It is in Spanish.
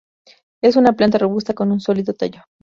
Es una planta robusta con un sólido tallo.